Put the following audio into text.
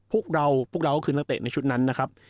พวกเราพวกเราก็คือนักเตะในชุดนั้นนะครับ